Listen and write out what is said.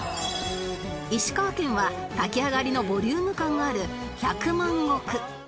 石川県は炊き上がりのボリューム感があるひゃくまん穀